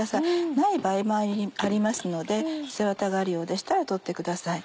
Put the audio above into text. ない場合もありますので背ワタがあるようでしたら取ってください。